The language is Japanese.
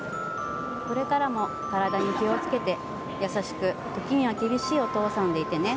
これからも体に気をつけて優しく時には厳しいお父さんでいてね。